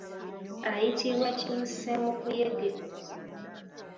Ayitibwa kibusemukuyege.